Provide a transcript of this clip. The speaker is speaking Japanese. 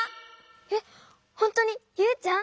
えっほんとにユウちゃん？